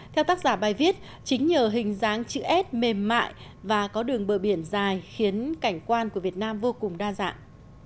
theo tác giả bài viết chính nhờ hình dáng chữ s mềm mại và có đường bờ biển dài khiến cảnh quan của việt nam vô cùng đa dạng